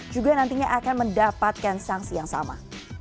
juga nantinya akan mendapatkan sanksi yang sama